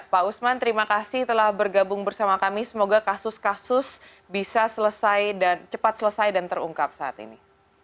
pak usman terima kasih telah bergabung bersama kami semoga kasus kasus bisa cepat selesai dan terungkap saat ini